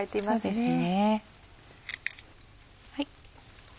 そうですね。